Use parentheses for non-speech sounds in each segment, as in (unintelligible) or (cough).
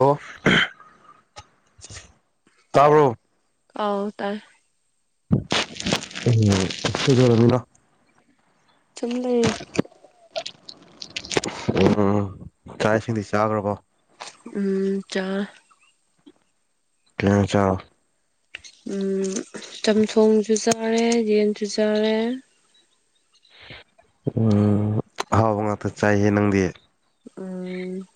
ꯑꯣ ꯑꯍꯥꯝ ꯇꯕꯔꯣ ꯑꯥꯎ ꯇꯥꯏ ꯎꯝꯖꯅꯤꯡꯗ (inaudible) ꯆꯨꯝꯂꯦ ꯎꯝ ꯆꯥꯛ ꯏꯁꯤꯡꯗꯤ ꯆꯥꯈ꯭ꯔꯕꯣ ꯎꯝ ꯆꯥꯔꯦ ꯀꯦꯡꯆꯥ (inaudible) ꯎꯝ ꯆꯝꯊꯣꯡꯁꯨ ꯆꯥꯔꯦ ꯌꯦꯟꯁꯨ ꯆꯥꯔꯦ ꯎꯝ ꯍꯥꯎ ꯉꯇ ꯆꯥꯏꯌꯦ ꯅꯪꯗꯤ ꯎꯝ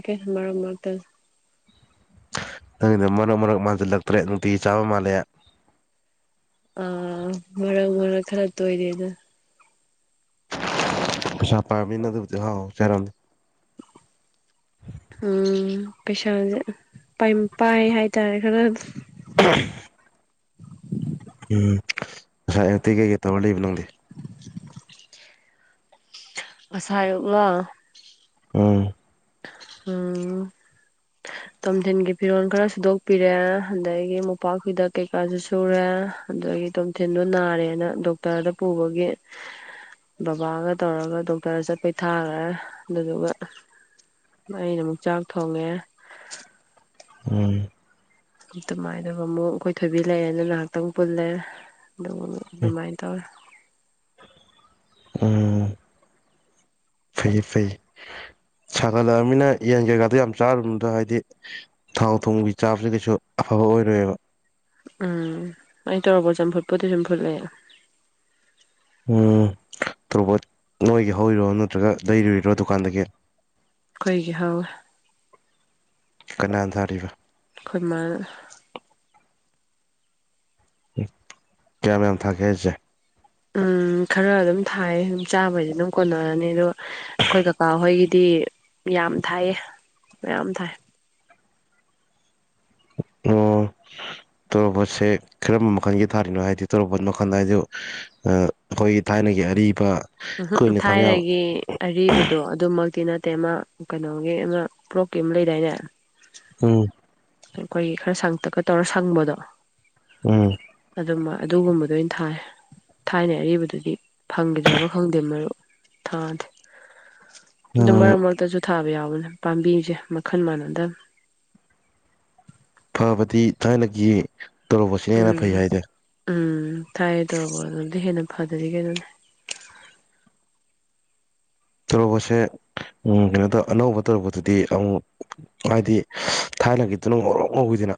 ꯑꯦ ꯃꯔꯛ ꯃꯔꯛꯇ ꯅꯪꯗ ꯃꯔꯛ ꯃꯔꯛ ꯃꯥꯟꯁꯤꯜꯂꯛꯇ꯭ꯔꯦ ꯅꯨꯡꯇꯤꯒꯤ ꯆꯥꯕ ꯃꯥꯜꯂꯦ ꯑꯥ ꯃꯔꯛ ꯃꯔꯛ ꯈꯔ ꯇꯣꯏꯔꯦꯗꯣ ꯄꯩꯁꯥꯄꯥꯃꯤꯅ ꯑꯗꯨꯕꯨꯗꯤ ꯑꯍꯎ ꯑꯍꯎ ꯆꯥꯔꯝꯃꯅꯤ ꯎꯝ ꯄꯩꯁꯥꯥꯁꯦ ꯄꯥꯏ ꯍꯥꯏꯇꯥꯔꯦ ꯈꯔ ꯎꯝ ꯉꯁꯥꯏ ꯑꯉꯇꯩ ꯀꯩꯀꯩ ꯇꯧꯔ ꯂꯩꯕ ꯅꯪꯗꯤ (inaudible) ꯉꯁꯥꯏ ꯑꯌꯨꯛꯂꯣ ꯎꯝ ꯎꯝ ꯇꯣꯝꯊꯤꯟꯒꯤ ꯐꯤꯔꯣꯜ ꯈꯔ ꯁꯨꯗꯣꯛꯄꯤꯔꯦ ꯑꯗꯒꯤ ꯃꯣꯝꯄꯥꯛꯀꯤꯗ ꯀꯩꯀꯥꯁꯨ ꯁꯨꯔꯦ ꯑꯗꯒꯤ ꯇꯣꯝꯊꯤꯟꯗꯣ ꯅꯥꯔꯦꯅ ꯗꯣꯛꯇꯔꯗ ꯄꯨꯕꯒꯤ ꯕꯕꯥꯒ ꯇꯧꯔꯒ ꯗꯣꯛꯇꯔꯗ ꯆꯠꯄꯩ ꯊꯥꯈꯔꯦ ꯑꯗꯨꯗꯨꯒ ꯑꯩꯅ ꯑꯃꯨꯛ ꯆꯥꯛ ꯊꯣꯡꯉꯦ ꯎꯝ ꯇꯃꯥꯏꯅꯕ ꯑꯃꯨꯛ ꯑꯩꯈꯣꯏ ꯊꯣꯏꯕꯤ ꯂꯩꯑꯦꯅ ꯉꯥꯏꯍꯥꯛꯇꯪ ꯄꯨꯜꯂꯦ ꯑꯗꯨꯕꯨ ꯑꯗꯨꯃꯥꯏꯅ ꯇꯧꯋꯦ ꯎꯝ ꯐꯩ ꯐꯩ ꯁꯥꯒꯠꯂꯛꯑꯅꯤꯅ ꯌꯦꯟ ꯀꯩꯀꯥꯗꯣ ꯌꯥꯝ ꯆꯥꯔꯨꯅꯨꯗ ꯍꯥꯏꯗꯤ ꯊꯥꯎ ꯊꯣꯝꯒꯤ ꯆꯥꯕꯕꯁꯤ ꯀꯩꯁꯨ ꯑꯐꯕ ꯑꯣꯏꯔꯣꯏꯕ ꯎꯝ ꯑꯩ ꯇꯣꯔꯣꯕꯣꯠ ꯆꯝꯐꯨꯠꯄꯨꯗꯤ ꯑꯗꯨꯝ ꯐꯨꯠꯂꯦ ꯎꯝ ꯇꯣꯔꯣꯕꯣꯠ ꯅꯣꯏꯒꯤ ꯍꯧꯔꯤꯔꯣ ꯅꯠꯇ꯭ꯔꯒ ꯂꯩꯔꯨꯔꯤꯔꯣ ꯗꯨꯀꯥꯟꯗꯒꯤ ꯑꯩꯈꯣꯏꯒꯤ ꯍꯧꯋꯦ ꯀꯅꯥꯅ ꯊꯔꯤꯕ ꯑꯩ ꯈꯣꯏ ꯃꯅꯥ ꯀꯌꯥꯝ ꯌꯥꯝ ꯊꯒꯦ ꯍꯥꯏꯖꯦ ꯎꯝ ꯈꯔ ꯑꯗꯨꯝ ꯊꯥꯏ ꯆꯥꯕꯩꯗꯤ ꯑꯗꯨꯝ ꯀꯣꯟꯅꯔꯅꯤ ꯑꯗꯣ ꯑꯩꯈꯣꯏ ꯀꯀꯥ ꯍꯣꯏꯒꯤꯗꯤ ꯌꯥꯝ ꯊꯥꯏꯌꯦ ꯃꯌꯥꯝ ꯊꯥꯏ ꯑꯣ ꯇꯣꯔꯣꯕꯣꯠꯁꯦ ꯀꯔꯝꯕ ꯃꯈꯜꯒꯤ ꯊꯥꯔꯤꯅꯣ ꯍꯥꯏꯗꯤ ꯇꯣꯔꯣꯕꯣꯠ ꯃꯈꯜꯗ ꯍꯥꯏꯖꯨ ꯑꯩꯈꯣꯏꯒꯤ ꯊꯥꯏꯅꯒꯤ ꯑꯔꯤꯕ ꯎꯝꯍꯨꯝ ꯀꯨꯏꯅ ꯊꯝ ꯌꯥꯕ ꯊꯥꯏꯔꯒꯤ ꯑꯔꯤꯕꯗꯣ ꯑꯗꯨꯝ ꯑꯗꯨ ꯃꯛꯇꯤ ꯅꯠꯇꯦ ꯑꯃ ꯀꯩꯅꯣꯒꯤ ꯑꯃ ꯄ꯭ꯂꯣꯛꯀꯤ ꯑꯃ ꯂꯩꯗꯥꯏꯅꯦ ꯎꯝ ꯑꯩꯈꯣꯏꯒꯤ ꯈꯔ ꯁꯪꯇꯛꯀ ꯇꯧꯔ ꯁꯪꯕꯗꯣ ꯎꯝ ꯑꯗꯨꯃ ꯑꯗꯨꯒꯨꯝꯕꯗ ꯑꯣꯏꯅ ꯊꯥꯏ ꯊꯥꯏꯅꯩ ꯑꯔꯤꯕ ꯗꯨꯗꯤ ꯐꯪꯈꯤꯗ꯭ꯔꯕ ꯈꯪꯗꯦ ꯃꯔꯨ ꯊꯥꯗꯦ ꯑꯗꯨ ꯎꯝ ꯃꯔꯛ ꯃꯔꯛꯇꯁꯨ ꯊꯥꯕ ꯌꯥꯎꯕꯅꯦ ꯄꯥꯝꯕꯤꯁꯦ ꯃꯈꯜ ꯃꯥꯟꯅꯗꯦ ꯐꯕꯗꯤ ꯊꯥꯏꯅꯒꯤ ꯇꯣꯔꯣꯕꯣꯠꯁꯤꯅ ꯍꯦꯟꯅ ꯎꯝ ꯐꯩ ꯍꯥꯏꯗꯤ ꯎꯝ ꯊꯥꯏꯅꯩ ꯇꯣꯔꯣꯕꯣꯠ ꯑꯗꯨꯗꯤ ꯍꯦꯟꯅ ꯐꯗꯗꯤ ꯀꯩꯅꯣꯅꯦ ꯇꯣꯔꯣꯕꯣꯠꯁꯦ ꯑꯪ ꯀꯩꯅꯣ ꯑꯅꯧꯕ ꯇꯥꯔꯣꯕꯣꯠꯇꯨꯗꯤ ꯑꯃꯨꯛ ꯍꯥꯏꯗꯤ ꯊꯥꯏꯅꯒꯤꯗꯨꯅ ꯉꯧꯔꯣꯛ ꯉꯧꯏꯗꯅ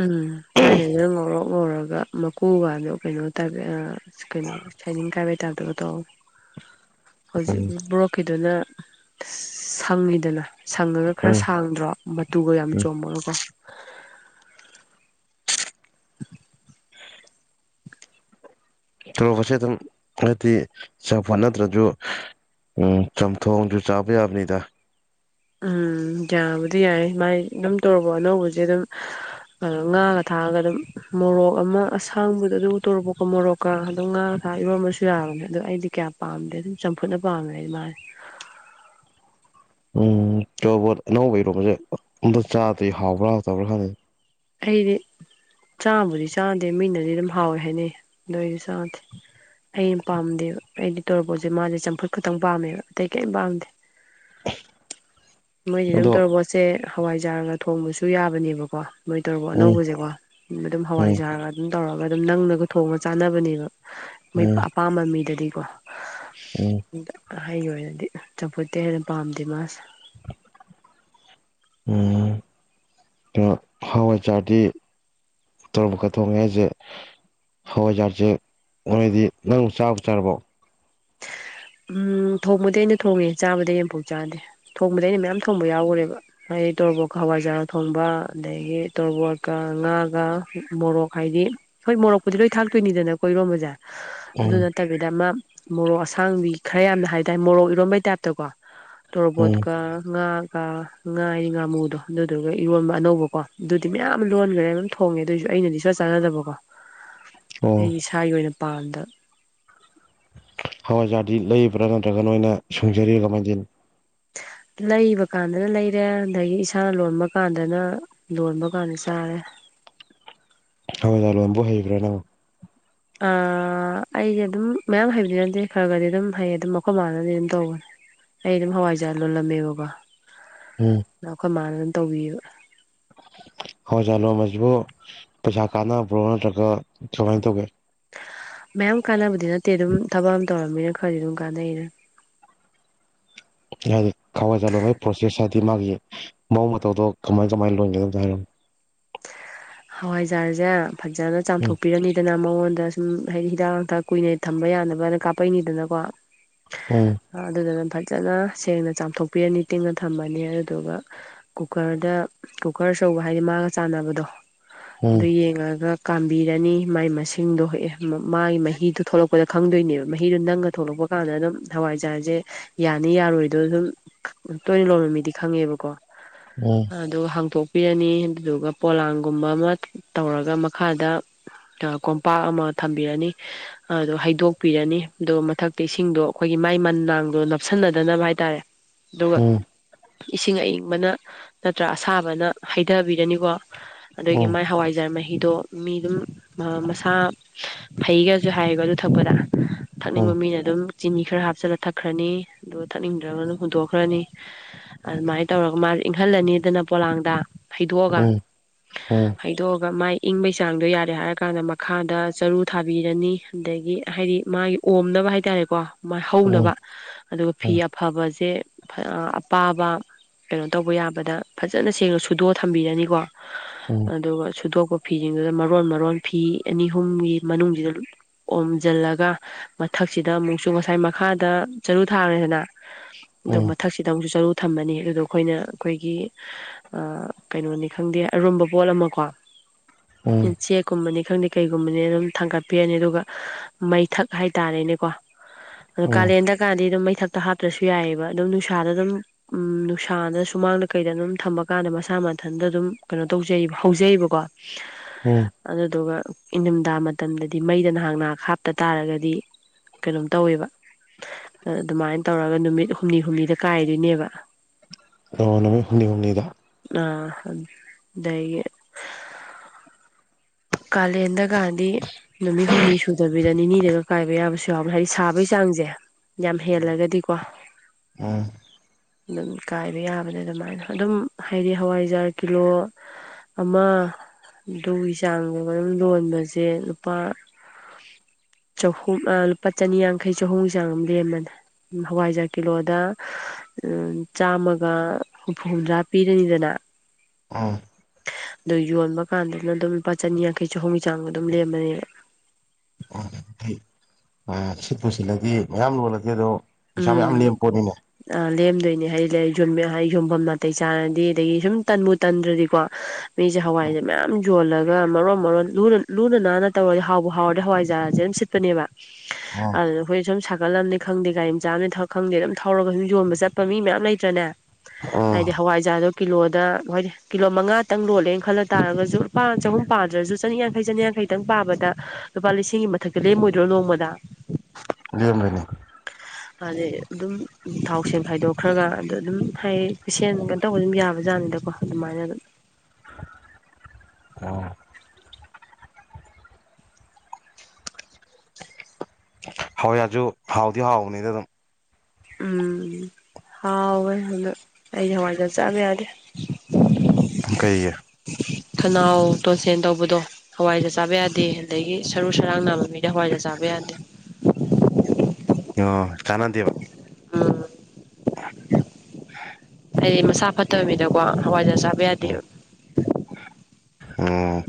ꯎꯝ ꯊꯥꯏꯅꯗꯨꯅ ꯉꯧꯔꯣꯛ ꯉꯧꯔꯒ ꯃꯀꯨ ꯒꯗꯣ ꯀꯩꯅꯣ ꯀꯩꯅꯣ ꯁꯥꯏꯅꯤꯡ ꯀꯕꯒꯤ ꯇꯥꯏꯞꯇ ꯒ ꯇꯧꯕꯅꯤ ꯍꯧꯖꯤꯛ ꯎꯝ ꯕ꯭ꯂꯣꯛꯀꯤꯗꯨꯅ ꯁꯪꯉꯤꯗꯅ ꯁꯪꯉꯒ ꯈꯔ ꯎꯝ ꯁꯥꯡꯗ꯭ꯔꯣ ꯃꯇꯨꯒ ꯌꯥꯝ ꯎꯝ ꯆꯣꯝꯃꯒꯀꯣ ꯇꯣꯔꯣꯕꯣꯠ ꯁꯦ ꯑꯗꯨꯝ ꯍꯥꯏꯗꯤ ꯆꯥꯝꯐꯨꯠ ꯅꯠꯇ꯭ꯔꯁꯨ ꯆꯝꯊꯣꯡꯁꯨ ꯆꯥꯕ ꯌꯥꯕꯅꯤꯗ ꯎꯝ ꯌꯥꯕꯨꯗꯤ ꯌꯥꯏ ꯃꯥꯥꯏ ꯑꯗꯨꯝ ꯇꯣꯔꯣꯕꯣꯠ ꯑꯅꯧꯕꯁꯦ ꯑꯗꯨꯝ ꯉꯥꯒ ꯊꯥꯛ ꯑꯒ ꯑꯗꯨꯝ ꯃꯣꯔꯣꯛ ꯑꯃ ꯑꯁꯥꯡꯕꯗ ꯑꯗꯨ ꯇꯣꯔꯣꯕꯣꯠ ꯃꯣꯔꯣꯛꯀ ꯑꯗꯨꯝ ꯉꯥꯒ ꯊꯥꯛꯒ ꯏꯔꯣꯟꯕꯁꯨ ꯌꯥꯕꯅꯦ ꯑꯗꯨ ꯑꯩꯗꯤ ꯀꯌꯥ ꯄꯥꯝꯗꯦ ꯑꯗꯨꯝ ꯆꯝꯐꯨꯠꯅ ꯄꯥꯝꯃꯦ ꯑꯩ ꯃꯥꯁꯦ ꯎꯝ ꯇꯣꯔꯣꯕꯣꯠ ꯑꯅꯧꯕ ꯏꯔꯣꯝꯕꯁꯦ ꯑꯝꯇ ꯆꯥꯗ꯭ꯔꯤ ꯍꯥꯎꯕ꯭ꯔꯥ ꯍꯥꯎꯇꯕ꯭ꯔꯥ ꯈꯪꯗꯦ ꯑꯩꯗꯤ ꯆꯥꯕꯨꯗꯤ ꯆꯥꯗꯦ ꯃꯤꯅꯗꯤ ꯑꯗꯨꯝ ꯍꯥꯎꯋꯦ ꯍꯥꯏꯅꯩ ꯑꯗꯨꯗ ꯑꯩꯗꯤ ꯆꯥꯗꯦ ꯑꯩꯅ ꯄꯥꯝꯗꯦꯕ ꯑꯩꯗꯤ ꯇꯣꯔꯣꯕꯣꯠ ꯁꯦ ꯃꯥꯁꯦ ꯆꯝꯐꯨꯠ ꯈꯛꯇꯪ ꯄꯥꯝꯃꯦꯕ ꯑꯇꯩ ꯀꯔꯤꯝ ꯄꯥꯝꯗꯦ ꯃꯣꯏ ꯑꯗꯨꯝ ꯑꯗꯣ ꯇꯣꯔꯣꯕꯣꯠ ꯁꯦ ꯍꯋꯥꯏꯖꯥꯔꯒ ꯊꯣꯡꯕꯁꯨ ꯌꯥꯕꯅꯦꯕꯀꯣ ꯃꯣꯏ ꯇꯣꯔꯣꯕꯣꯠ ꯎꯝ ꯑꯅꯧꯕ ꯁꯦꯀꯣ ꯑꯗꯨꯝ ꯎꯝ ꯍꯋꯥꯏꯖꯔꯒ ꯑꯗꯨꯝ ꯇꯧꯔꯒ ꯑꯗꯨꯝ ꯅꯪꯅꯒ ꯊꯣꯡꯒ ꯆꯥꯅꯕ ꯅꯦꯕ ꯃꯤ ꯎꯝ ꯑꯄꯥꯝꯕ ꯃꯤꯗꯗꯤ (inaudible) ꯎꯝ (inaudible) ꯑꯩꯒꯤ ꯑꯣꯏꯅꯗꯤ ꯆꯝꯐꯨꯠꯇꯤ ꯍꯦꯟꯅ ꯄꯥꯝꯗꯦ ꯃꯥꯁꯦ ꯎꯝ ꯍꯋꯥꯏꯖꯥꯔꯗꯤ ꯇꯣꯔꯣꯕꯣꯠꯀ ꯊꯣꯡꯉꯦ ꯍꯥꯏꯁꯦ ꯍꯋꯥꯏꯖꯥꯔꯁꯖꯦ ꯃꯣꯏꯗꯤ ꯅꯪ ꯆꯥꯕꯨ ꯆꯥꯔꯕꯣ ꯎꯝ ꯊꯣꯡꯕꯗꯤ ꯑꯩꯅ ꯊꯣꯡꯉꯦ ꯆꯥꯕꯗꯤ ꯑꯩ ꯑꯝꯐꯥꯎ ꯆꯥꯗꯦ ꯊꯣꯡꯕꯗꯤ ꯑꯩꯅ ꯃꯌꯥꯝ ꯊꯣꯡꯕ ꯌꯥꯎ ꯈꯔꯦꯕ ꯍꯥꯏꯗꯤ ꯇꯣꯔꯣꯕꯣꯠꯀ ꯍꯋꯥꯏꯖꯥꯔꯒ ꯊꯣꯡꯕ ꯑꯗꯒꯤ ꯇꯣꯔꯣꯕꯣꯠꯀ ꯉꯥꯒ ꯃꯣꯔꯣꯛ ꯍꯥꯏꯗꯤ ꯍꯣꯏ ꯃꯣꯔꯣꯛꯄꯨꯗꯤ ꯂꯣꯏ ꯊꯥꯛꯇꯣꯏꯅꯤꯗꯅ ꯀꯣ ꯏꯔꯣꯝꯕꯁꯦ ꯑꯗꯨ ꯎꯝ ꯅꯠꯇꯕꯤꯗ ꯑꯃ ꯃꯣꯔꯣꯛ ꯑꯁꯥꯡꯕꯤ ꯈꯔ ꯌꯥꯝꯅ ꯍꯥꯏꯇꯥꯔꯦ ꯃꯣꯔꯣꯛ ꯏꯔꯣꯝꯕꯩ ꯇꯥꯏꯞꯇꯀꯣ ꯎꯝ ꯇꯣꯔꯣꯕꯣꯠꯀ ꯉꯥꯒ ꯉꯥ ꯉꯥꯃꯨꯗꯣ ꯑꯗꯨꯗꯨꯒ ꯏꯔꯣꯟꯕ ꯑꯅꯧꯕꯀꯣ ꯑꯗꯨꯗꯤ ꯃꯌꯥꯝ ꯂꯣꯟꯈꯔꯦ ꯑꯗꯨꯝ ꯊꯣꯡꯉꯦ ꯑꯗꯨ ꯑꯣꯏꯁꯨ ꯑꯩꯅꯗꯤ ꯁꯨꯡꯆꯥ ꯆꯥꯗꯕꯀꯣ ꯑꯣ ꯑꯩ ꯏꯁꯥꯒꯤ ꯑꯣꯏꯅ ꯄꯥꯥꯟꯗ ꯍꯋꯥꯏꯖꯥꯔꯗꯤ ꯂꯩꯕ꯭ꯔꯥ ꯅꯠꯇ꯭ꯔꯒ ꯅꯣꯏꯅ ꯁꯨꯡꯖꯔꯤꯔ ꯀꯃꯥꯏ ꯇꯧꯔꯤꯅꯣ ꯂꯩꯕ ꯀꯥꯟꯗꯅ ꯂꯩꯔꯦ ꯑꯗꯩꯒꯤ ꯏꯁꯥꯅ ꯂꯣꯟꯕ ꯀꯥꯟꯗꯅ ꯂꯣꯟꯕ ꯀꯥꯟꯗ ꯆꯥꯔꯦ ꯍꯋꯥꯏꯖꯥꯔ ꯂꯣꯟꯕꯨ ꯍꯩꯕ꯭ꯔꯥ ꯅꯪ ꯑ ꯑꯩꯁꯦ ꯑꯗꯨꯝ ꯃꯌꯥꯝ ꯍꯩꯕꯗꯤ ꯅꯠꯇꯦ ꯈꯔ ꯈꯔꯗꯤ ꯑꯗꯨꯝ ꯍꯩ ꯑꯗꯨꯝ ꯑꯩꯈꯣꯏ ꯃꯥꯅꯗꯤ ꯑꯗꯨꯝ ꯇꯧꯕꯅꯦ ꯑꯩ ꯑꯗꯨꯝ ꯍꯋꯥꯏꯖꯥꯔ ꯂꯣꯜꯂꯝꯃꯦꯕꯀꯣ ꯎꯝ ꯑꯩꯈꯣꯏꯃꯥꯅ ꯇꯧꯕꯤꯌꯦꯕ ꯍꯋꯥꯏꯖꯥꯔ ꯂꯣꯟꯕꯁꯤꯕꯨ ꯄꯩꯁꯥ ꯀꯥꯟꯅꯕ꯭ꯔꯣ ꯅꯠꯇ꯭ꯔꯒ ꯀꯃꯥꯏꯅ ꯇꯧꯒꯦ ꯃꯌꯥꯝ ꯀꯥꯟꯅꯕꯗꯤ ꯅꯠꯇꯦ ꯑꯗꯨꯝ ꯊꯕꯛ ꯑꯃ ꯇꯧꯔꯕꯅꯤꯅ ꯈꯔꯗꯤ ꯑꯗꯨꯝ ꯀꯥꯟꯅꯩꯅ ꯍꯥꯏꯗꯤ ꯍꯋꯥꯏꯖꯥꯔ ꯂꯣꯟꯕꯒꯤ ꯄ꯭ꯔꯣꯁꯦꯁ ꯍꯥꯏꯗꯤ ꯃꯥꯒꯤ ꯃꯑꯣꯡ ꯃꯇꯧꯗꯣ ꯀꯃꯥꯏ ꯀꯃꯥꯏꯅ ꯂꯣꯟꯒꯦ ꯑꯝꯇ ꯍꯥꯏꯔꯛꯎꯅꯦ ꯍꯋꯥꯏꯖꯥꯔꯖꯦ ꯐꯖꯅ ꯆꯥꯝꯊꯣꯛꯄꯤꯔꯅꯤꯗꯅ ꯃꯉꯣꯟꯗ ꯁꯨꯝ ꯍꯥꯏꯗꯤ ꯍꯤꯗꯥꯛ ꯂꯥꯡꯊꯛ ꯀꯨꯏꯅ ꯊꯝꯕ ꯌꯥꯅꯕꯅ ꯀꯥꯞꯄꯛꯏꯅꯤꯗꯅꯀꯣ ꯎꯝ ꯑꯗꯨꯗꯨꯅ ꯐꯩ ꯐꯖꯅ ꯁꯦꯡꯅ ꯆꯥꯝꯊꯣꯛꯄꯤꯔꯅꯤ ꯇꯤꯡꯅ ꯊꯝꯃꯅꯤ ꯑꯗꯨꯗꯨꯒ ꯀꯨꯀꯔꯗ ꯀꯨꯀꯔ ꯑꯆꯧꯕ ꯍꯥꯏꯗꯤ ꯃꯥꯒ ꯆꯥꯟꯅꯕꯗꯣ ꯎꯝ ꯑꯗꯨ ꯌꯦꯡꯉꯒ ꯀꯥꯝꯕꯤꯔꯅꯤ ꯃꯥꯏ ꯃꯁꯤꯡꯗꯣꯍꯣꯢꯅ ꯃꯥꯒꯤ ꯃꯍꯤꯗꯨ ꯊꯣꯛꯂꯛ ꯑꯩꯈꯣꯏꯗ ꯈꯪꯗꯣꯏꯅꯦꯕ ꯃꯍꯤꯗꯣ ꯅꯪꯉ ꯊꯣꯛꯂꯛꯄ ꯀꯥꯟꯗꯅ ꯍꯋꯥꯏꯖꯥꯔꯁꯦ ꯌꯥꯅꯤ ꯌꯥꯔꯣꯏꯗꯣ ꯑꯗꯨꯝ ꯇꯣꯏꯅ ꯂꯣꯟꯕ ꯃꯤꯗꯤ ꯈꯪꯉꯦꯕꯀꯣ ꯎꯝ ꯑꯗꯨꯒ ꯍꯥꯡꯗꯣꯛ ꯄꯤꯔꯅꯤ ꯑꯗꯨꯗꯨꯒ ꯄꯣꯂꯥꯡ ꯨꯒꯨꯝꯕ ꯑꯃ ꯇꯧꯔꯒ ꯃꯈꯥꯗ ꯀꯣꯝꯄꯥꯛ ꯑꯃ ꯊꯝꯕꯤꯔꯅꯤ ꯑꯗꯣ ꯍꯩꯗꯣꯛꯄꯤꯔꯅꯤ ꯑꯗꯨꯒ ꯃꯊꯛꯀꯤ ꯏꯁꯤꯡꯗꯣ ꯑꯩꯈꯣꯏꯒꯤ ꯃꯥꯏ ꯃꯅꯥꯡꯗꯣ ꯅꯞꯁꯤꯟꯅꯗꯅꯕ ꯍꯥꯏꯇꯥꯔꯦ ꯑꯗꯨꯒ ꯎꯝ ꯎꯝ ꯏꯁꯤꯡ ꯑꯏꯪꯕꯅ ꯅꯠꯇ꯭ꯔ ꯑꯁꯥꯕꯅ ꯍꯩꯗꯕꯤꯔꯅꯤꯀꯣ ꯑꯗꯒꯤ ꯃꯥꯏ ꯍꯋꯥꯏꯖꯥꯔ ꯃꯍꯤ ꯃꯍꯤꯗꯣ ꯃꯤ ꯑꯗꯨꯝ ꯃꯁꯥ ꯐꯩꯒꯁꯨ ꯍꯥꯏꯌꯦꯕ ꯑꯗꯨ ꯊꯛꯄꯗ ꯊꯛꯅꯤꯡꯕ ꯎꯝ ꯃꯤꯅ ꯑꯗꯨꯝ ꯆꯤꯅꯤ ꯈꯔ ꯍꯥꯞꯆꯤꯜꯂ ꯊꯛꯈ꯭ꯔꯅꯤ ꯑꯗꯨꯒ ꯊꯛꯅꯤꯡꯗ꯭ꯔꯒꯅ ꯍꯨꯟꯗꯣꯛꯈ꯭ꯔꯅꯤ ꯑꯗꯨꯃꯥꯏꯅ ꯇꯧꯔꯒ ꯃꯥꯁꯤ ꯏꯪꯍꯜꯂꯅꯤꯗꯅ ꯄꯣꯂꯥꯡꯗ ꯍꯩꯗꯣꯛꯑꯒ ꯎꯝ ꯎꯝ ꯎꯝ ꯍꯩꯗꯣꯛ ꯃꯥꯏ ꯏꯪꯕꯩ ꯆꯥꯡꯗꯣ ꯌꯥꯔꯦ ꯍꯥꯏꯔꯀꯥꯟꯗ ꯃꯈꯥꯗ ꯆꯔꯨ ꯊꯥꯕꯤꯔꯅꯤ ꯑꯗꯒꯤ ꯍꯥꯏꯗꯤ ꯃꯥꯒꯤ ꯑꯣꯝꯅꯕ ꯍꯥꯏꯇꯥꯔꯦꯀꯣ ꯃꯥ ꯎꯝ ꯍꯧꯅꯕ ꯑꯗꯨꯒ ꯐꯤ ꯎꯝ ꯑꯐꯕꯁꯦ ꯑꯄꯥꯕ ꯀꯩꯅꯣ ꯇꯧꯕ ꯌꯥꯕꯗ ꯐꯖꯅ ꯁꯦꯡꯅ ꯁꯨꯗꯣꯛꯑ ꯊꯝꯕꯤꯔꯅꯤꯀꯣ ꯎꯝ ꯑꯗꯨꯒ ꯁꯨꯗꯣꯛꯄ ꯐꯤꯁꯤꯡꯗꯨꯗ ꯃꯔꯣꯟ ꯃꯔꯣꯟ ꯐꯤ ꯑꯅꯤ ꯑꯍꯨꯝꯒꯤ ꯃꯅꯨꯡꯁꯤꯗ ꯑꯣꯝꯖꯜꯂꯒ ꯃꯊꯛꯁꯤꯗ ꯑꯃꯨꯛꯁꯨ ꯉꯁꯥꯏ ꯃꯈꯥꯗ ꯆꯔꯨ ꯊꯥꯈ꯭ꯔꯦꯗꯅ ꯑꯗꯨ ꯎꯝ ꯃꯊꯛꯁꯤꯗ ꯑꯃꯨꯛꯁꯨ ꯆꯔꯨ ꯊꯝꯃꯅꯤ ꯑꯗꯨꯗꯣ ꯑꯩꯈꯣꯏꯅ ꯑꯩꯈꯣꯏꯒꯤ ꯀꯩꯅꯣꯅꯤ ꯈꯪꯗꯦ ꯑꯔꯨꯝꯕ ꯄꯣꯠ ꯑꯃ ꯀꯣ ꯎꯝ ꯆꯦꯛ ꯀꯨꯝꯃꯅꯤ ꯈꯪꯗꯦ ꯀꯩꯒꯨꯝꯕꯅꯤ ꯑꯗꯨꯝ ꯊꯥꯡꯀꯠꯄꯤꯔꯅꯤ ꯑꯗꯨꯒ ꯃꯩꯊꯛ ꯍꯥꯏꯇꯥꯔꯦꯅꯦꯀꯣ ꯑꯗꯨ ꯎꯝ ꯀꯥꯂꯦꯟꯗ ꯀꯥꯗꯣ ꯑꯗꯨꯝ ꯃꯩ ꯊꯛꯇ ꯍꯥꯞꯇ꯭ꯔꯁꯨ ꯌꯥꯏꯑꯦꯕ ꯑꯗꯨꯝ ꯅꯨꯡꯁꯥꯗ ꯑꯗꯨꯝ ꯎ ꯅꯨꯡꯁꯥꯗ ꯁꯨꯃꯥꯡꯗ ꯀꯩꯗ ꯑꯗꯨꯝ ꯊꯝꯝꯕ ꯀꯥꯟꯗ ꯃꯁꯥ ꯃꯊꯟꯇ ꯑꯗꯨꯝ ꯀꯩꯅꯣ ꯇꯧꯖꯩꯕ ꯍꯧꯖꯩꯌꯦꯕꯀꯣ ꯎꯝ ꯑꯗꯨꯗꯨꯒ ꯏꯟꯗꯝꯗꯥ ꯃꯇꯝꯗꯗꯤ ꯃꯩꯗ ꯅꯍꯥꯛ ꯅꯍꯥꯛ ꯍꯥꯞꯇ ꯇꯥꯔꯒꯗꯤ ꯀꯩꯅꯣꯝ ꯇꯧꯋꯦꯕ ꯑꯗꯨꯃꯥꯏꯅ ꯇꯧꯔꯒ ꯅꯨꯃꯤꯠ ꯍꯨꯝꯅꯤ ꯍꯨꯝꯅꯤꯗ ꯀꯥꯏꯔꯤꯅꯦꯕ ꯑꯗꯣ ꯅꯨꯃꯤꯠ ꯍꯨꯝꯅꯤ ꯍꯨꯝꯅꯤꯗ (unintelligible) ꯗꯩꯒꯤ ꯀꯥꯂꯦꯟꯗꯒꯥꯟꯗꯤ ꯅꯨꯃꯤꯠ ꯍꯨꯝꯅꯤ ꯁꯨꯗꯕꯤꯗ ꯅꯤꯅꯤꯗꯒ ꯀꯥꯏꯕ ꯌꯥꯕꯁꯨ ꯌꯥꯎꯅꯤ ꯍꯥꯏꯗꯤ ꯁꯥꯕꯩ ꯆꯥꯡꯖꯦ ꯌꯥꯝ ꯍꯦꯜꯂꯒꯗꯤꯀꯣ ꯎꯝ ꯑꯗꯨꯝ ꯀꯥꯏꯕ ꯌꯥꯕꯅꯦ ꯑꯗꯨꯃꯥꯏꯅ ꯑꯗꯨꯝ ꯍꯥꯏꯗꯤ ꯍꯋꯥꯏꯖꯥꯔ ꯀꯤꯂꯣ ꯑꯃ ꯑꯗꯨꯏ ꯆꯥꯡ ꯑꯗꯨꯝ ꯂꯣꯟꯕꯖꯦ ꯂꯨꯄꯥ ꯆꯍꯨꯝ ꯂꯨꯄꯥ ꯆꯅꯤ ꯌꯥꯡꯈꯩ ꯆꯍꯨꯝꯒꯤ ꯆꯥꯡ ꯑꯃ ꯂꯦꯝꯕꯅꯦ ꯍꯋꯥꯏꯖꯔ ꯀꯤꯂꯣꯗ ꯆꯥꯝꯃꯒ ꯍꯨꯝꯐꯨ ꯍꯨꯝꯗ꯭ꯔꯥ ꯄꯤꯔꯅꯤꯗꯅ ꯑꯝ ꯑꯗꯣ ꯌꯣꯟꯕ ꯀꯥꯟꯗꯅ ꯑꯗꯨꯝ ꯂꯨꯄꯥ ꯆꯅꯤ ꯌꯥꯡꯈꯩ ꯆꯍꯨꯝꯒꯤ ꯆꯥꯡ ꯑꯗꯨꯝ ꯂꯦꯝꯕꯅꯦꯕ ꯎ ꯐꯩ ꯁꯤꯠꯄꯨ ꯁꯤꯠꯂꯗꯤ ꯃꯌꯥꯝ ꯂꯣꯜꯂꯗꯤ ꯑꯗꯣ ꯄꯩꯁꯥ ꯃꯌꯥꯝ ꯎꯝ ꯂꯦꯝ ꯄꯣꯠꯅꯤꯅꯦ ꯑ ꯂꯦꯝꯗꯣꯏꯅꯦ ꯍꯥꯏꯗꯤ ꯂꯩ ꯌꯣꯟꯕ ꯍꯥꯏ ꯌꯣꯟꯕꯝ ꯅꯥꯇꯩ ꯆꯥꯔꯗꯤ ꯑꯗꯩ ꯁꯨꯝ ꯇꯟꯕꯨꯨ ꯇꯟꯗ꯭ꯔꯗꯤꯀꯣ ꯃꯤꯖꯦ ꯍꯋꯥꯏꯖꯦ ꯃꯌꯥꯝ ꯌꯣꯜꯂꯒ ꯃꯔꯣꯟ ꯃꯔꯣꯟ ꯂꯨꯅ ꯂꯨꯅ ꯅꯥꯟꯅ ꯇꯧꯔꯗꯤ ꯍꯥꯎꯕ ꯍꯥꯎꯔꯗꯤ ꯍꯋꯥꯏꯖꯥꯔꯖꯦ ꯑꯗꯨꯝ ꯁꯤꯠꯄꯅꯦꯕ ꯎꯝ ꯑꯗꯨꯗ ꯈꯣꯏ ꯁꯨꯝ ꯁꯛ ꯀꯂꯝ ꯅꯤ ꯈꯪꯗꯦ ꯀꯥꯏ ꯃꯆꯥ ꯑꯃꯅꯤ ꯊꯛ ꯈꯪꯗꯦ ꯑꯗꯨꯝ ꯊꯧꯔꯒ ꯁꯨꯝ ꯌꯣꯟꯕ ꯆꯠꯄ ꯃꯤ ꯃꯌꯥꯝ ꯂꯩꯇ꯭ꯔꯅꯦ ꯎꯝ ꯍꯥꯏꯗꯤ ꯍꯋꯥꯏꯖꯥꯔꯗꯣ ꯀꯤꯂꯣꯗ ꯍꯥꯏꯗꯤ ꯀꯤꯂꯣ ꯃꯉꯥꯇꯪ ꯂꯣꯜꯂꯦꯅ ꯈꯜꯂ ꯇꯥꯔꯒꯁꯨ ꯂꯨꯄꯥ ꯆꯍꯨꯝ ꯄꯥꯗ꯭ꯔꯁꯨ ꯆꯅꯤꯌꯥꯡꯈꯩ ꯆꯅꯤꯌꯥꯡꯈꯩꯇꯪ ꯄꯥꯕꯗ ꯂꯨꯄꯥ ꯂꯤꯁꯤꯡꯒꯤ ꯃꯊꯛꯇ ꯂꯦꯝꯃꯣꯏꯗ꯭ꯔꯣ ꯅꯣꯡꯃꯗ ꯂꯦꯝꯒꯅꯤ ꯑꯗꯩ ꯑꯗꯨꯝ ꯊꯥꯎ ꯁꯦꯟ ꯈꯥꯏꯗꯣꯛꯈ꯭ꯔꯒ ꯑꯗꯨꯗ ꯑꯗꯨꯝ ꯍꯥꯏ ꯁꯦꯟ ꯀꯩꯅꯣ ꯇꯧꯕ ꯑꯗꯨꯝ ꯌꯥꯕꯖꯥꯠꯅꯤꯗꯀꯣ ꯑꯗꯨꯃꯥꯏꯅ ꯑꯗꯨꯝ ꯑꯣ ꯍꯋꯥꯏꯖꯥꯔꯖꯨ ꯍꯥꯎꯗꯤ ꯍꯥꯎꯕꯅꯤꯗ ꯑꯗꯨꯝ ꯎꯝ ꯍꯥꯎꯋꯦ ꯑꯗꯣ ꯑꯩꯗꯤ ꯍꯋꯥꯏꯖꯥꯔ ꯆꯥꯕ ꯌꯥꯗꯦ ꯀꯩꯒꯤ ꯈꯅꯥꯎ ꯇꯣꯟꯁꯤꯟ ꯇꯧꯕꯗꯣ ꯍꯋꯥꯏꯖꯥꯔ ꯆꯥꯕ ꯌꯥꯗꯦ ꯑꯗꯒꯤ ꯁꯔꯨ ꯁꯔꯥꯡ ꯅꯥꯕ ꯃꯤꯗ ꯍꯋꯥꯏꯖꯥꯔ ꯆꯥꯕ ꯌꯥꯗꯦ ꯑꯣ ꯀꯥꯅꯗꯦꯕ ꯑꯝ (inaudible) ꯍꯥꯏꯗꯤ ꯃꯁꯥ ꯐꯠꯇꯕ ꯃꯤꯗꯀꯣ ꯍꯋꯥꯏꯖꯥꯔ ꯆꯥꯕ ꯕ ꯎꯝ ꯌꯥꯗꯦꯕ ꯎꯝ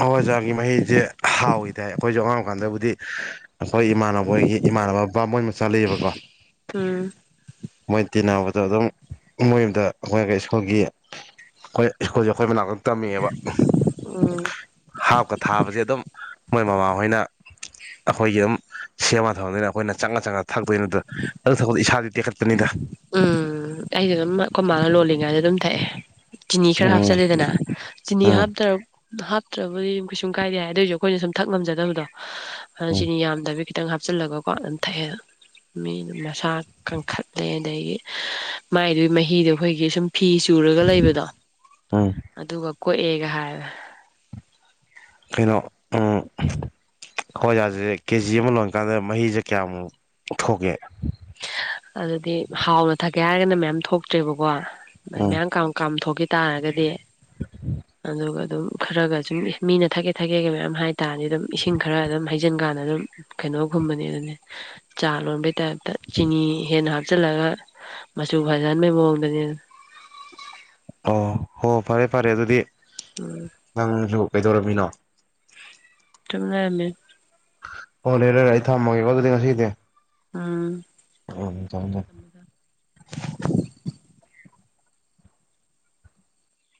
ꯍꯋꯥꯖꯥꯔꯒꯤ ꯃꯍꯤꯁꯦ ꯍꯥꯎꯋꯦꯗꯤ ꯇꯥꯏ ꯑꯩꯈꯣꯏꯁꯨ ꯑꯉꯥꯡ ꯄꯥꯟꯗꯕꯨꯗꯤ ꯑꯩꯈꯣꯏ ꯏꯃꯥꯟꯅꯕ ꯍꯣꯏꯒꯤ ꯏꯃꯥꯟꯅꯕ ꯕꯥꯃꯣꯟ ꯃꯆꯥ ꯂꯩꯕꯀꯣ ꯎꯝ ꯃꯣꯏ ꯇꯤꯟꯅꯕꯗ ꯑꯗꯨꯝ ꯃꯣꯏꯌꯨꯝꯗ ꯑꯩꯈꯣꯏ ꯁ꯭ꯀꯨꯜꯒꯤ ꯑꯩꯈꯣꯏ ꯁꯀꯨꯜꯁꯦ ꯑꯩꯈꯣꯏ ꯃꯅꯥꯛ ꯇꯝꯃꯦꯑꯕ ꯎꯝ ꯍꯥꯞꯀ ꯊꯥꯕꯁꯦ ꯑꯗꯨꯝ ꯃꯣꯏ ꯃꯃꯥꯍꯣꯏꯅ ꯑꯩꯈꯣꯏꯒꯤ ꯑꯗꯨꯝ ꯁꯦꯝꯃ ꯊꯝꯗꯣꯏꯅꯦ ꯑꯩꯈꯣꯏꯅ ꯆꯪꯉ ꯆꯪꯉꯒ ꯊꯛꯇꯣꯏꯅꯤ ꯑꯗꯨ ꯊꯛꯄꯗꯤ ꯏꯁꯥꯗꯤ ꯇꯦꯛꯈꯠ ꯎꯅꯤꯗ ꯎꯝ ꯑꯩꯁꯨ ꯑꯗꯨꯝ ꯑꯩꯈꯣꯏꯃꯥꯅ ꯂꯣꯜꯂꯤꯉꯩꯗ ꯑꯗꯨꯝ ꯊꯛꯑꯦ ꯆꯤꯅꯤ ꯈꯔ ꯎꯝ ꯍꯥꯞꯆꯜꯂꯦꯗꯅ ꯆꯤꯅꯤ ꯎꯝ ꯍꯥꯞꯇꯔ ꯍꯥꯞꯇ꯭ꯔꯕꯗꯤ ꯀꯩꯁꯨꯝ ꯀꯥꯏꯗꯦ ꯍꯥꯏ ꯑꯗꯣꯏꯁꯨ ꯑꯩꯈꯣꯏꯅ ꯁꯨꯝ ꯊꯛ ꯉꯝꯖꯗꯕꯗꯣ ꯍꯥꯟꯅ ꯎꯝ ꯆꯅꯤ ꯌꯥꯝꯗ ꯈꯤꯇꯪ ꯍꯥꯞꯆꯤꯜꯂꯒꯀꯣ ꯑꯗꯨꯝ ꯊꯛꯑꯦ ꯃꯤ ꯃꯁꯥ ꯀꯟꯈꯠꯂꯦ ꯑꯗꯒꯤ ꯃꯥꯏꯗꯨꯒꯤ ꯃꯍꯤꯗꯣ ꯑꯩꯈꯣꯏꯒꯤ ꯁꯨꯝ ꯐꯤ ꯆꯨꯔꯒ ꯂꯩꯕꯗꯣ ꯎꯝ ꯑꯗꯨꯒ ꯀꯣꯛꯑꯦꯒ ꯍꯥꯏꯔꯒ ꯀꯩꯅꯣ ꯎꯝ ꯍꯥꯋꯥꯏꯖꯥꯁꯦ ꯀꯦꯖꯤ ꯑꯃ ꯂꯣꯟꯀꯥꯟꯗ ꯃꯍꯤꯁꯦ ꯀꯌꯥꯃꯨꯛ ꯊꯣꯛꯀꯦ ꯑꯗꯨꯗꯤ ꯍꯥꯎꯅ ꯊꯛꯀꯦ ꯍꯥꯏꯔꯒꯅ ꯃꯌꯥꯝ ꯊꯣꯛꯇ꯭ꯔꯦꯕꯀꯣ ꯎꯝ ꯃꯌꯥꯝ ꯀꯝ ꯀꯝ ꯊꯣꯛꯈꯤ ꯇꯥꯔꯒꯗꯤ ꯑꯗꯨꯒ ꯑꯗꯨꯝ ꯈꯔꯒꯗꯤ ꯃꯤꯅ ꯊꯛꯒꯦ ꯊꯛꯒꯦꯒ ꯃꯌꯥꯝ ꯍꯥꯏ ꯇꯗꯤ ꯑꯗꯨꯝ ꯏꯁꯤꯡ ꯈꯔ ꯑꯗꯨꯝ ꯍꯩ ꯇꯖꯤꯡꯀꯥꯟꯗ ꯑꯗꯨꯝ ꯀꯩꯅꯣꯝ ꯈꯨꯝꯕꯅꯦ ꯑꯗꯨꯅꯦ ꯆꯥ ꯂꯣꯟꯕꯩ ꯇꯥꯏꯞ ꯆꯤꯅꯤ ꯍꯦꯟꯅ ꯍꯥꯞꯆꯤꯜꯂꯒ ꯃꯆꯨ ꯐꯖꯍꯟꯕꯒꯤ ꯃꯑꯣꯡꯗꯅꯦ ꯑꯥ ꯍꯣ ꯐꯔꯦ ꯐꯔꯦ ꯑꯗꯨꯗꯤ ꯎꯝ ꯑꯪꯁꯨ ꯀꯩꯗꯧꯔꯝꯃꯤꯅꯣ ꯆꯨꯝ ꯂꯩꯔꯝꯃꯦ ꯑꯣ ꯌꯥꯔꯦ ꯌꯥꯔꯦ ꯑꯩ ꯊꯝꯃꯒꯦ ꯀꯣ ꯉꯁꯤꯗꯤ ꯎꯝ ꯎꯝ ꯊꯃꯦ ꯊꯃꯦ